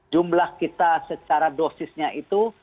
jumlah kita secara dosisnya itu